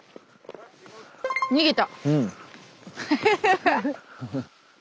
逃げた！